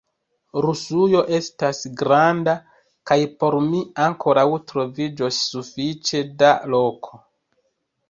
Rusujo estas granda, kaj por mi ankaŭ troviĝos sufiĉe da loko!